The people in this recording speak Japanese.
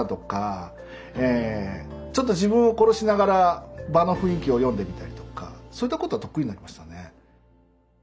ちょっと自分を殺しながら場の雰囲気を読んでみたりとかそういったことは得意になりましたね。